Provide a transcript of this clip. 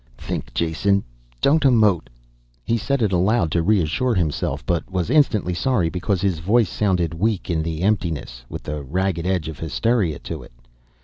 "Think, Jason, don't emote," he said it aloud to reassure himself, but was instantly sorry, because his voice sounded weak in the emptiness, with a ragged edge of hysteria to it.